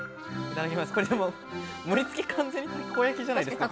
これ盛り付け完全にたこ焼きじゃないですか。